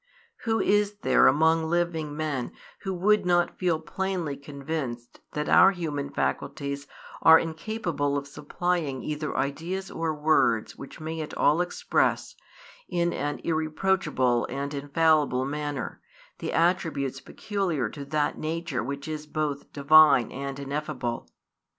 Who is there among living men who would not feel plainly convinced that our human faculties are incapable of supplying either ideas or words which may at all express, in an irreproachable and infallible manner, the attributes peculiar to that nature which is both Divine and ineffable?